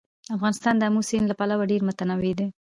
افغانستان د آمو سیند له پلوه ډېر متنوع دی.